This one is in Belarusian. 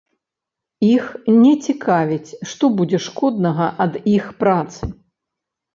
Іх не цікавіць, што будзе шкоднага ад іх працы.